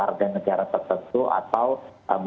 yang paling penting kita menerapkan sistem kehatian yang penting